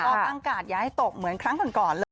ก็ตั้งกาดอย่าให้ตกเหมือนครั้งก่อนเลย